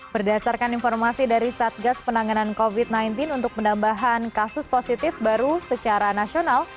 berdasarkan informasi dari satgas penanganan covid sembilan belas untuk penambahan kasus positif baru secara nasional